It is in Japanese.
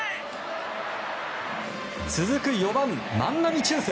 続く４番、万波中正。